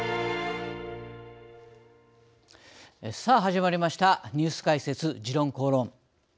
さあ始まりました「ニュース解説時論公論」。